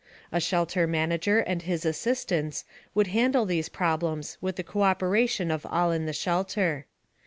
A shelter manager and his assistants would handle these problems with the cooperation of all in the shelter.